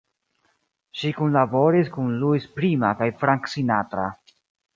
Ŝi kunlaboris kun Louis Prima kaj Frank Sinatra.